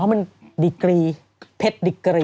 เพราะมันดิกรีเพชรดิกรี